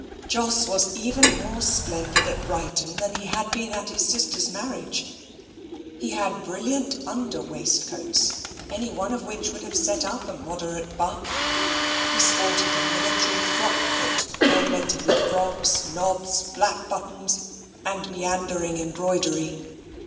Jos was even more splendid at Brighton than he had been at his sister's marriage. He had brilliant under waistcoats, any one of which would have set up a moderate buck. He sported a military frock coat, ornamented with frogs, knobs, black buttons, and meandering embroidery.